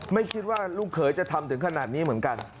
ไม่คิดว่าลูกเขยจะทำถึงขนาดนี้เหมือนกัน